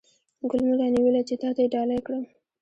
ګل مې را نیولی چې تاته یې ډالۍ کړم